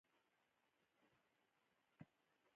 د قیمتي شیانو ساتل هم د بانک دنده ده.